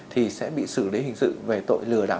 thì sẽ bị xử lý hình sự về tội lừa đảo